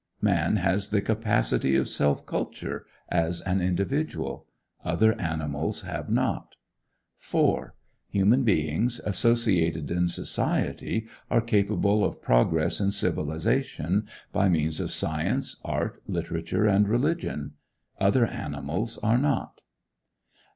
Man has the capacity of self culture, as an individual; other animals have not. 4. Human beings, associated in society, are capable of progress in civilization, by means of science, art, literature, and religion; other animals are not.